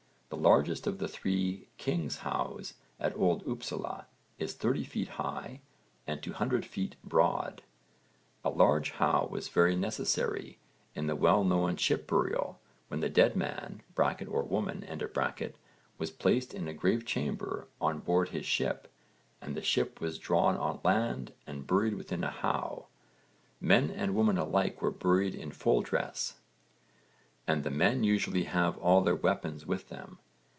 The largest of the three 'King's hows' at Old Upsala is 30 ft. high and 200 ft. broad. A large how was very necessary in the well known ship burial when the dead man (or woman) was placed in a grave chamber on board his ship and the ship was drawn on land and buried within a how. Men and women alike were buried in full dress, and the men usually have all their weapons with them.